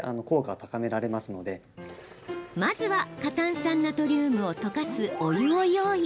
まずは過炭酸ナトリウムを溶かす、お湯を用意。